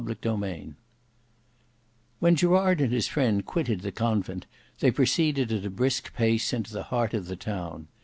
Book 2 Chapter 9 When Gerard and his friend quitted the convent they proceeded at a brisk pace, into the heart of the town.